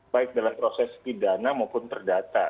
baik dalam proses pidana maupun perdata